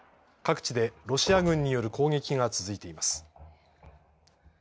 各地でロシア軍による攻撃が続いています。